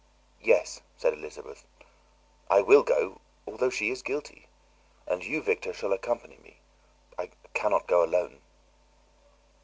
"Yes," said Elizabeth, "I will go, although she is guilty; and you, Victor, shall accompany me; I cannot go alone."